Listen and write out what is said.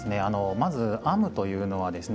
まず「編む」というのはですね